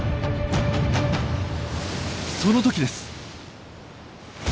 その時です。